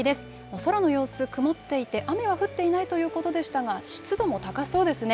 空の様子、曇っていて、雨は降っていないということでしたが、湿度も高そうですね。